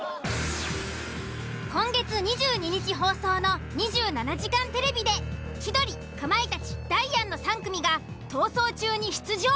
今月２２日放送の「２７時間テレビ」で千鳥かまいたちダイアンの３組が「逃走中」に出場。